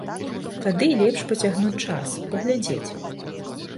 Тады лепш пацягнуць час, паглядзець.